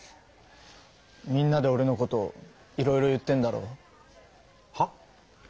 みんなでオレのこといろいろ言ってんだろう。はっ？